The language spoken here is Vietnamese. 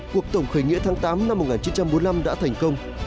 cuộc tổng khởi nghĩa tháng tám năm một nghìn chín trăm bốn mươi năm đã thành công